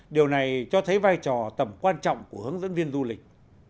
điều này cho thấy vai trò tầm quan trọng của hướng dẫn viên du lịch